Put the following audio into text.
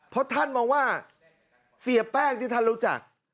เพราะท่านมองว่าเสียแป้งที่ท่านรู้จัก